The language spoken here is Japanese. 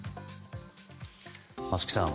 松木さん